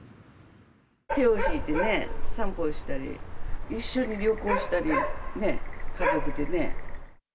手を引いてね、散歩したり、一緒に旅行したりね、家族でね。